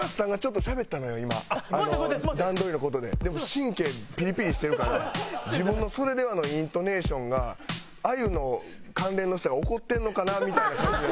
神経ピリピリしてるから自分の「それでは」のイントネーションがあゆの関連の人が怒ってるのかなみたいな感じで。